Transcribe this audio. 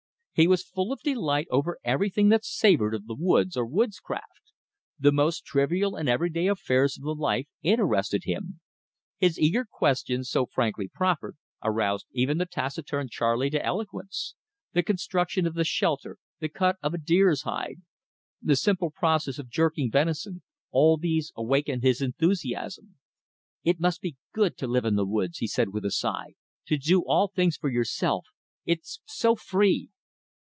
He was full of delight over everything that savored of the woods, or woodscraft. The most trivial and everyday affairs of the life interested him. His eager questions, so frankly proffered, aroused even the taciturn Charley to eloquence. The construction of the shelter, the cut of a deer's hide, the simple process of "jerking" venison, all these awakened his enthusiasm. "It must be good to live in the woods," he said with a sigh, "to do all things for yourself. It's so free!"